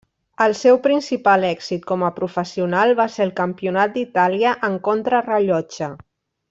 El seu principal èxit com a professional va ser el Campionat d'Itàlia en contrarellotge.